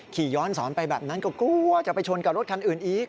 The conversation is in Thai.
ขี่ย้อนสอนไปแบบนั้นก็กลัวจะไปชนกับรถคันอื่นอีก